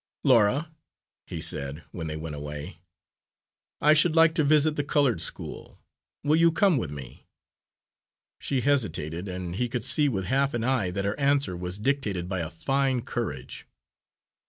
"Laura," he said, when they went away, "I should like to visit the coloured school. Will you come with me?" She hesitated, and he could see with half an eye that her answer was dictated by a fine courage.